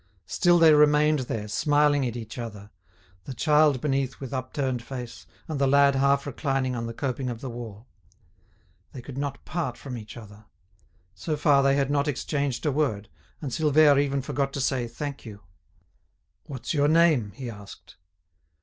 Still they remained there, smiling at each other, the child beneath with upturned face, and the lad half reclining on the coping of the wall. They could not part from each other. So far they had not exchanged a word, and Silvère even forgot to say, "Thank you." "What's your name?" he asked.